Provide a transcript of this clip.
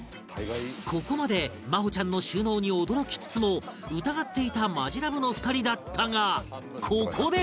ここまで麻帆ちゃんの収納に驚きつつも疑っていたマヂラブの２人だったがここで